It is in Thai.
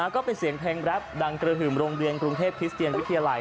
ก็เป็นเสียงเพลงแรปดังกระหึ่มโรงเรียนกรุงเทพคริสเตียนวิทยาลัย